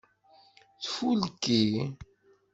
Tfulki.